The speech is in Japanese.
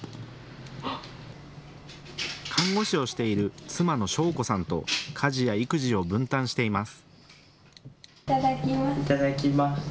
看護師をしている妻の尚子さんと家事や育児を分担しています。